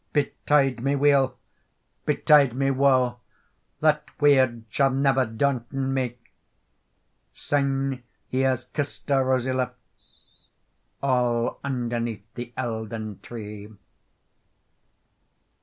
"Betide me weal, betide me woe, That weird sall never daunton me; Syne he has kissed her rosy lips, All underneath the Eildon Tree.